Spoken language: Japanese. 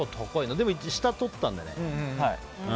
でも、下を取ったのでね。